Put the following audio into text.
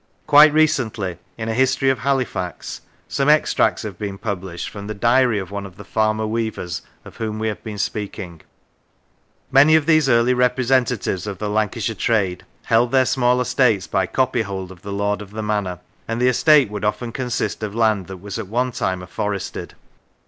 Quite recently, in a " History of Halifax," some extracts have been published from the diary of one of the farmer weavers of whom we have been speaking. Many of these early representatives of the Lancashire trade held their small estates by copyhold of the lord of the manor, and the estate would often consist of land that was at one time afforested.